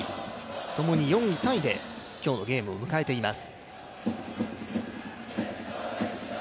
ともに４位タイで今日のゲームを迎えています。